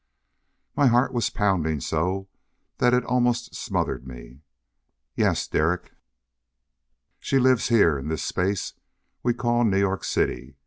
My heart was pounding so that it almost smothered me. "Yes, Derek." "She lives here, in this Space we call New York City.